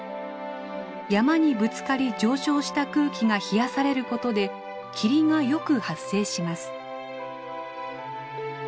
山にぶつかり上昇した空気が冷やされることで霧がよく発生します。